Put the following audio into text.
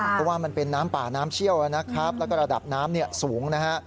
เพราะว่ามันเป็นน้ำป่าน้ำเชี่ยวนะครับแล้วก็ระดับน้ำสูงนะฮะ